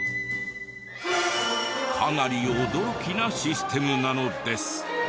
かなり驚きなシステムなのです。